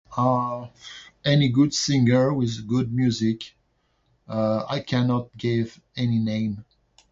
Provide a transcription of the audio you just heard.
Uh, any good singer with good music. Uh, I cannot give any name.